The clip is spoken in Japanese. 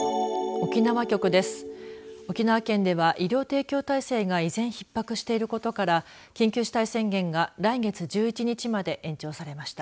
沖縄県では医療提供体制が依然ひっ迫していることから緊急事態宣言が来月１１日まで延長されました。